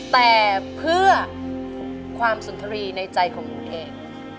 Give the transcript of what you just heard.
แต่เพื่อความสุนทรีย์ในใจของหนูเอง